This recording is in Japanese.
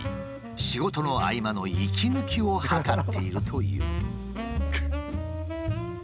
仕事の合間の息抜きを図っているという。